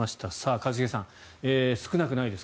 一茂さん、少なくないです